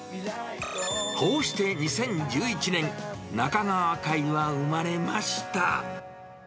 こうして２０１１年、中川會は生まれました。